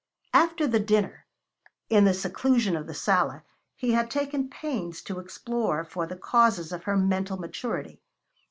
After the dinner, in the seclusion of the sala, he had taken pains to explore for the causes of her mental maturity.